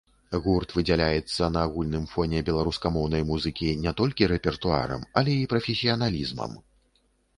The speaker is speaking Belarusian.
Гурт выдзяляецца на агульным фоне беларускамоўнай музыкі не толькі рэпертуарам, але і прафесіяналізмам.